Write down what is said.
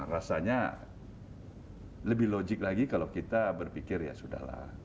rasanya lebih logik lagi kalau kita berpikir ya sudah lah